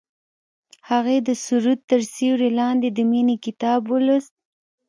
هغې د سرود تر سیوري لاندې د مینې کتاب ولوست.